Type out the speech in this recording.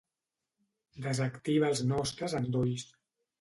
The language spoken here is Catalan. Desactiva els nostres endolls.